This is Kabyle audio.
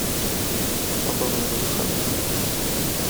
HedṛeƔ d wexxam-nneƔ.